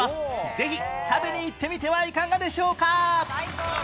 ぜひ食べに行ってみてはいかがでしょうか？